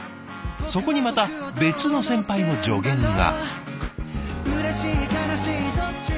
そこにまた別の先輩の助言が。